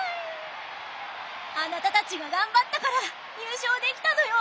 あなたたちが頑張ったから入賞できたのよ。